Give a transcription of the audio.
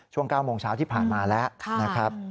ช่วง๙โมงเช้าที่ผ่านมาแล้วนะครับ